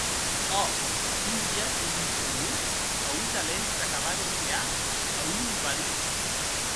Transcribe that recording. Ò!, un dia en Luxembourg auí talents d’acabar d’espear a un invalid!